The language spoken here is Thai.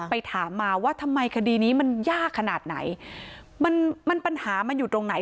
ถามมาว่าทำไมคดีนี้มันยากขนาดไหนมันมันปัญหามันอยู่ตรงไหน